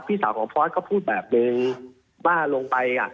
พี่สาวของพอร์ตก็พูดแบบนึงว่าลงไป